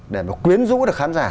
để mà quyến rũ được khán giả